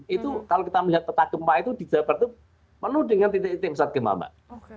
itu kalau kita melihat peta gempa itu di jawa barat itu penuh dengan titik titik masyarakat gempa mbak